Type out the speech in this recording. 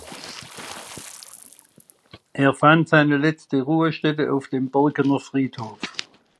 Er fand seine letzte Ruhestätte auf dem Borkener Friedhof.